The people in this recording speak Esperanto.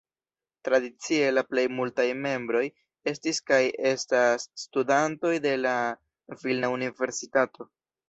Tradicie la plej multaj membroj estis kaj estas studantoj de la Vilna Universitato.